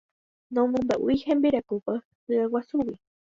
Nomombe'úi hembirekópe hyeguasúgui.